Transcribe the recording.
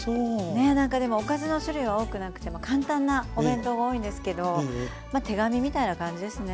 ね何かでもおかずの種類は多くなくても簡単なお弁当が多いんですけど手紙みたいな感じですね。